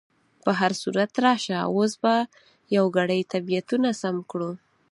په هر صورت، راشه اوس به یو ګړی طبیعتونه سم کړو.